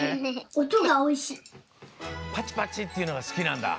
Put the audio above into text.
パチパチっていうのが好きなんだ。